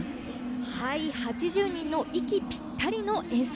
８０人の息ぴったりの演奏。